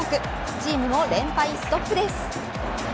チームも連敗ストップです。